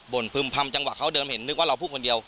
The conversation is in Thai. พึ่มพำจังหวะเขาเดิมเห็นนึกว่าเราพูดคนเดียว